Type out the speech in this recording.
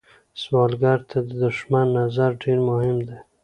سوالګر ته د شتمن نظر ډېر مهم دی